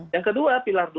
yang kedua pilar dua